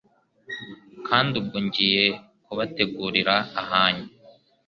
kandi ubwo ngiye kubategurira ahanyu,